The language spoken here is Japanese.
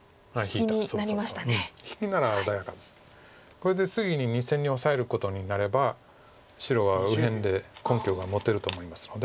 これで次に２線にオサえることになれば白は右辺で根拠が持てると思いますので。